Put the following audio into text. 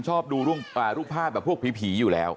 ชอบดูรูปภาพแบบพวกผีอยู่แล้ว